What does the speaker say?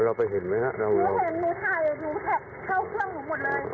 แล้วสามว่าทำเพื่ออะไรแล้วโอนในบริเวณเงี๊ยตัวนี้หน้ากับผม